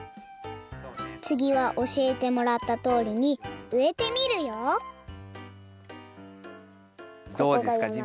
つぎはおしえてもらったとおりにうえてみるよどうですか？